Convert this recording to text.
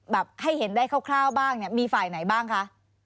แบบให้เห็นได้คร่าวบ้างมีฝ่ายไหนบ้างคะ